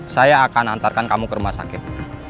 saya akan antarkan kamu ke rumah sakit